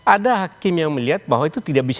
ada hakim yang melihat bahwa itu tidak bisa